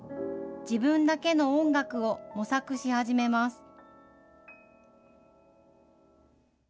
自分だけの音楽を模索し始めます。